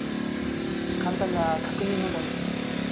簡単な確認のためです。